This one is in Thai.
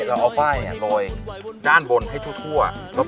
แล้วเอาไฟล์ลอยด้านบนให้ทั่วรอบ